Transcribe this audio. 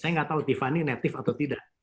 saya nggak tahu tiffany netive atau tidak